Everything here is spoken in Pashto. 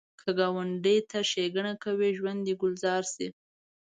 که ګاونډي ته ښیګڼه کوې، ژوند دې ګلزار شي